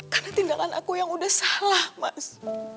karena tindakan aku yang udah salah mas